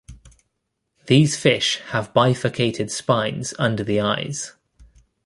These fish have bifurcated spines under the eyes.